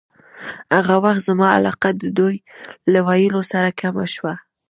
هغه وخت زما علاقه د دوی له ویلو سره کمه شوه.